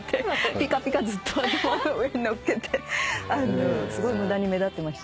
ピカピカずっと頭の上にのっけてすごい無駄に目立ってました。